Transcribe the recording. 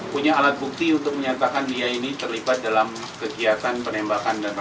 punya alat bukti untuk menyatakan dia ini terlibat dalam kegiatan penembakan